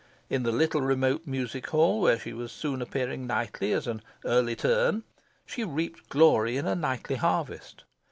In the little remote music hall, where she was soon appearing nightly as an "early turn," she reaped glory in a nightly harvest.